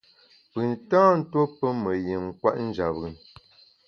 Pùn tâ ntuo pe me yin kwet njap bùn.